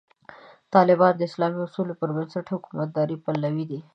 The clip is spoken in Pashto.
طالبان د اسلام د اصولو پر بنسټ د حکومتدارۍ پلوي دي.